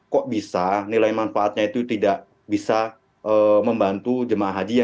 kok bisa nilai manfaatnya itu tidak bisa membantu jemaah haji ya